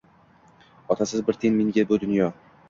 Otasiz bir tiyin menga bu dunyo